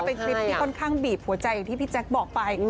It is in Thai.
เป็นคลิปที่ค่อนข้างบีบหัวใจอย่างที่พี่แจ๊คบอกไป